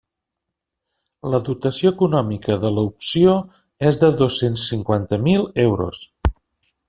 La dotació econòmica de l'opció és de dos-cents cinquanta mil euros.